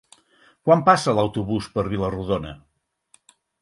Quan passa l'autobús per Vila-rodona?